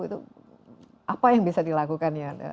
itu apa yang bisa dilakukan ya